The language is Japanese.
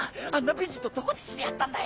美人とどこで知り合ったんだよ。